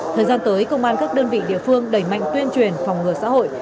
thời gian tới công an các đơn vị địa phương đẩy mạnh tuyên truyền phòng ngừa xã hội